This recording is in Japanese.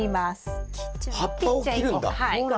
葉っぱを切るんだ。